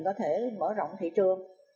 có thể mở rộng thị trường